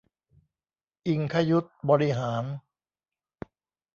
อิงคยุทธบริหาร